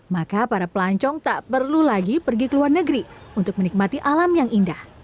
maka para pelancong tak perlu lagi pergi ke luar negeri untuk menikmati alam yang indah